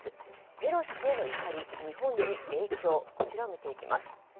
ペロシ氏への怒り、日本に影響を見ていきます。